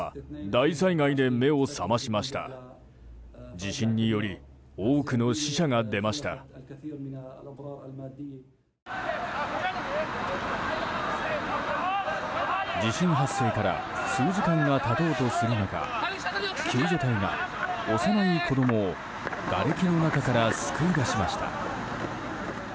地震発生から数時間が経とうとする中救助隊が幼い子供をがれきの中から救い出しました。